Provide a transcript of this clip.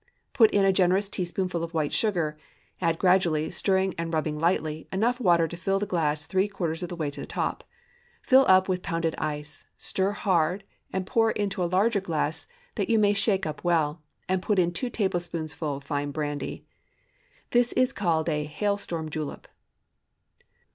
Put in a generous teaspoonful of white sugar; add gradually, stirring and rubbing lightly, enough water to fill the glass three quarters of the way to the top. Fill up with pounded ice; stir hard; pour into a larger glass that you may shake up well, and put in two tablespoonfuls fine brandy. This is called a "hail storm julep."